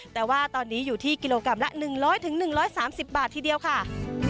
แต่ว่าตอนนี้อยู่ที่กิโลกรัมละ๑๐๐๑๓๐บาททีเดียวค่ะ